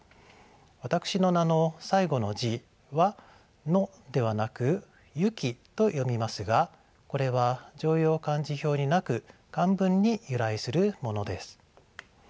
私の名の最後の字は「の」ではなく「ゆき」と読みますがこれは常用漢字表になく漢文に由来するものです。